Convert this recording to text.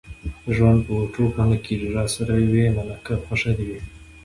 ژوند په ټوکو نه کېږي. راسره ويې منه که خوښه دې وي.